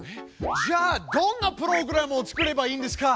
じゃあどんなプログラムを作ればいいんですか？